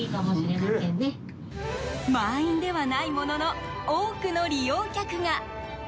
満員ではないものの多くの利用客が！